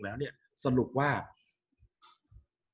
กับการสตรีมเมอร์หรือการทำอะไรอย่างเงี้ย